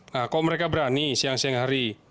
nah kalau mereka berani siang siang hari